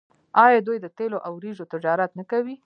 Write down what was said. آیا دوی د تیلو او وریجو تجارت نه کوي؟